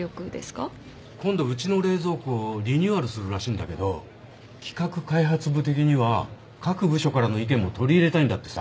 今度うちの冷蔵庫リニューアルするらしいんだけど企画開発部的には各部署からの意見も取り入れたいんだってさ。